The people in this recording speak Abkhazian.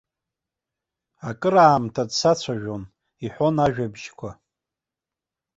Акыраамҭа дсацәажәон, иҳәон ажәабжьқәа.